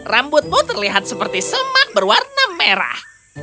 rambutmu terlihat seperti semak berwarna merah